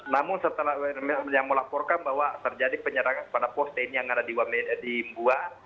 namun setelah yang melaporkan bahwa terjadi penyerangan pada pos tni yang ada di mbuah